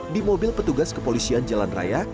di mobil petugas kepolisian jalan raya